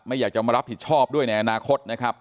อยากจะมารับผิดชอบด้วยในอนาคตนะครับ